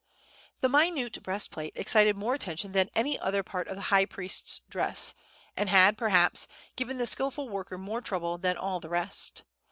The minute breastplate excited more attention than any other part of the high priest's dress, and had, perhaps, given the skilful worker more trouble than all the rest.